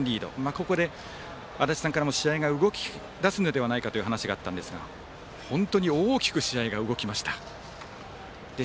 ここで足達さんから試合が動き出すのではという話があったのですが本当に大きく試合が動き出しましました。